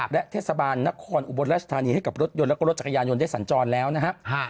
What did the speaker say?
และเทศบาลนครอุบลราชธานีให้กับรถยนต์แล้วก็รถจักรยานยนต์ได้สัญจรแล้วนะครับ